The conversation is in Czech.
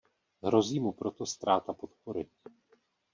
Hrozí mu proto ztráta podpory.